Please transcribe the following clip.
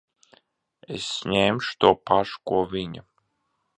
Es ņemšu to pašu, ko viņa.